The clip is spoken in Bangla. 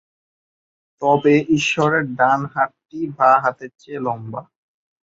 তবে ঈশ্বরের ডান হাতটি বাঁ হাতের চেয়ে লম্বা।